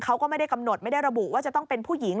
เขาก็ไม่ได้กำหนดไม่ได้ระบุว่าจะต้องเป็นผู้หญิง